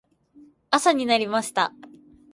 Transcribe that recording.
朝になりました。